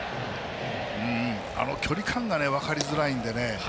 距離感が分かりづらいんでね